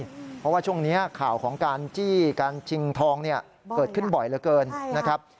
เพราะว่าช่วงนี้ข่าวของการจี้การชิงทองเนี่ยเกิดขึ้นบ่อยเหลือเกินนะครับ